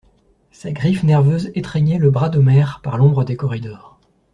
Sa griffe nerveuse étreignait le bras d'Omer par l'ombre des corridors.